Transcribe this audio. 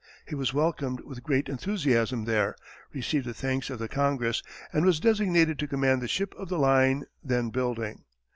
He was welcomed with great enthusiasm there, received the thanks of the Congress, and was designated to command the ship of the line then building.